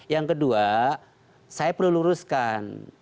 yang kedua saya perlu luruskan